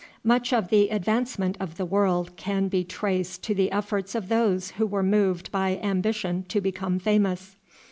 Much of the advancement of the world can be traced to the efforts of those who were moved by ambition to become famous.